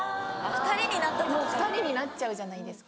・２人になった時・２人になっちゃうじゃないですか。